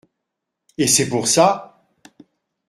Et c’est pour ça ?…